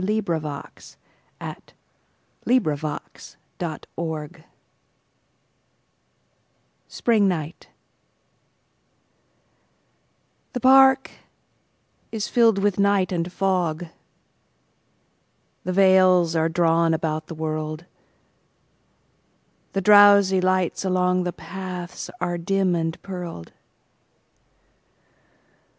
Sara Teasdale1884–1933 Spring Night THE PARK is filled with night and fog, The veils are drawn about the world, The drowsy lights along the pathsAre dim and pearled.